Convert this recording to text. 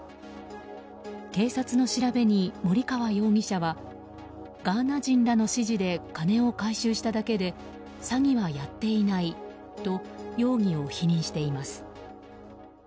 警察の調べに森川容疑者はガーナ人らの指示で金を回収しただけで詐欺はやっていないと容疑を否認しています。